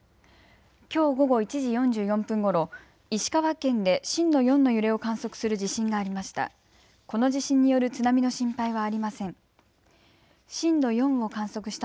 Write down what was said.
きょう午後１時４４分ごろ、石川県で震度４の揺れを観測する地震がありました。